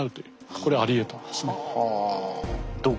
これありえたんですね。